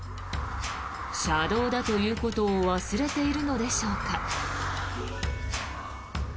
車道だということを忘れているのでしょうか。